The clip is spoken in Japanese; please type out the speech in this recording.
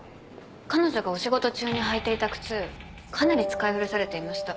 彼女がお仕事中に履いていた靴かなり使い古されていました。